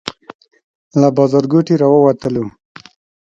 له بازارګوټي راووتلو.